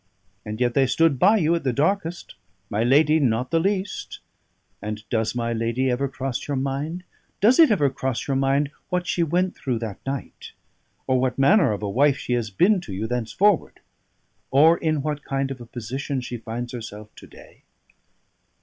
And yet they stood by you at the darkest; my lady not the least. And does my lady ever cross your mind? Does it ever cross your mind what she went through that night? or what manner of a wife she has been to you thenceforward? or in what kind of a position she finds herself to day?